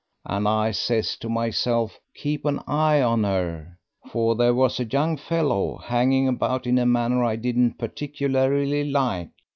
And I says to myself, 'Keep an eye on her.' For there was a young fellow hanging about in a manner I didn't particularly like.